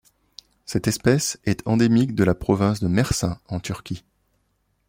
Cette espèce est endémique de la province de Mersin en Turquie.